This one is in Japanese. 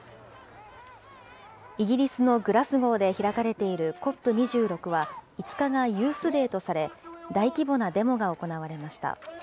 イギリスのグラスゴーで開かれているＣＯＰ２６は、５日がユースデーとされ、大規模なデモが行われました。